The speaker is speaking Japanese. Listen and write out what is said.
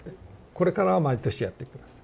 これからは毎年やっていきます。